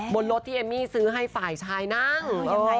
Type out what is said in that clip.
บนรถที่เอมมี่ซื้อให้ฝ่ายชายนั่งยังไง